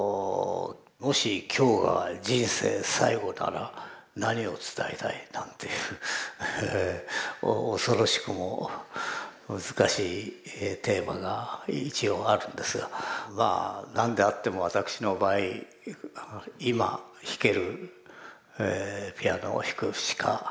「もし今日が人生最後なら何を伝えたい？」なんていう恐ろしくも難しいテーマが一応あるんですがまあ何であっても私の場合今弾けるピアノを弾くしかない。